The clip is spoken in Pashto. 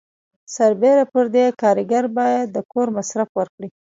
سربیره پر دې کارګر باید د کور مصرف ورکړي.